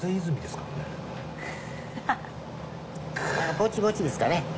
ぼちぼちですかね。